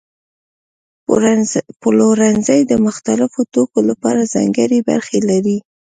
پلورنځي د مختلفو توکو لپاره ځانګړي برخې لري.